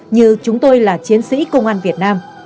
như chúng tôi là chiến sĩ công an việt nam